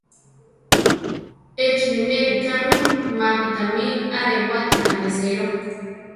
Échi binéli kámi mapi tamí arewátika neséro.